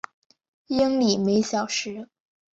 英里每小时。